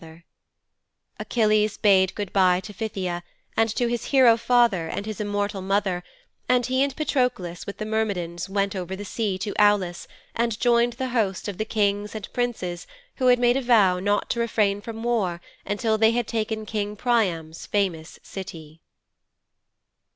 'Achilles bade good bye to Phthia, and to his hero father and his immortal mother, and he and Patroklos with the Myrmidons went over the sea to Aulis and joined the host of the Kings and Princes who had made a vow not to refrain from war until they had taken King Priam's famous city.'